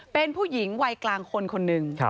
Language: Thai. เป็นผู้หญิงวัยกลางคนคนหนึ่ง